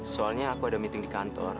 soalnya aku ada meeting di kantor